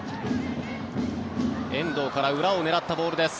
遠藤から裏を狙ったボールです。